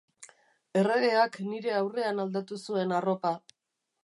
Erregeak nire aurrean aldatu zuen arropa.